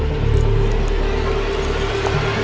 ada yang baik